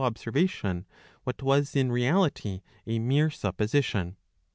XV observation what was in reality a mere supposition.